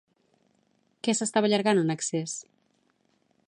Què s'estava allargant en excés?